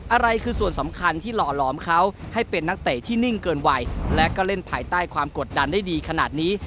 อะไรคือส่วนสำคัญที่หล่อหลอมเขาให้เป็นนักเตะที่นิ่งเกินวัยและก็เล่นภายใต้ความกดดันได้ดีขนาดนี้